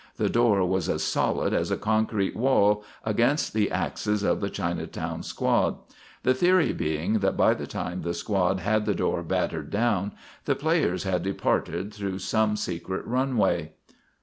The door was as solid as a concrete wall against the axes of the Chinatown squad; the theory being that by the time the squad had the door battered down, the players had departed through some secret runway.